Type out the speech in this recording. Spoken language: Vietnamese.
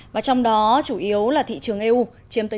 mà trong đó chủ yếu là thị trường eu chiếm tới chín mươi